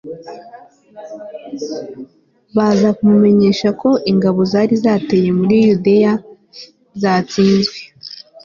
baza kumumenyesha ko ingabo zari zateye muri yudeya zatsinzwe